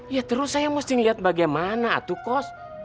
ya terus saya mesti ngeliat bagaimana atu kos